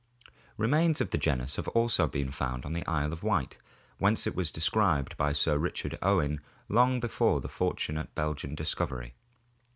Remains of the genus have also been found on the Isle of Wight, whence it was described by Sir Richard Owen long before the fortunate Belgian discovery.